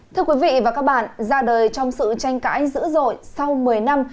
thưa quý vị và các bạn ra đời trong sự tranh cãi dữ dội sau một mươi năm